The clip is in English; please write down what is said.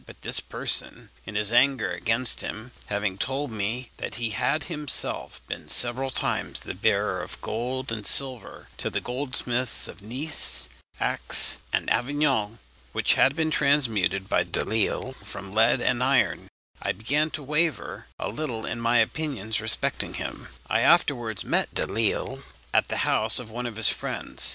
But this person, in his anger against him, having told me that he had himself been several times the bearer of gold and silver to the goldsmiths of Nice, Aix, and Avignon, which had been transmuted by Delisle from lead and iron, I began to waver a little in my opinions respecting him. I afterwards met Delisle at the house of one of my friends.